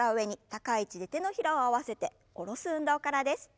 高い位置で手のひらを合わせて下ろす運動からです。